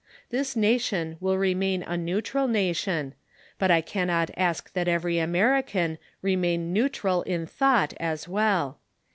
This nation will remain a neutral nation, but I cannot ask that every American remain neutral in thought as well.